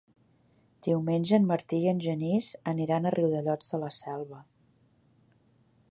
Diumenge en Martí i en Genís aniran a Riudellots de la Selva.